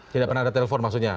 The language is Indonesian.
tidak pernah ada telepon maksudnya